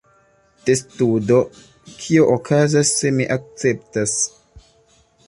Testudo: "Kio okazas se mi akceptas?"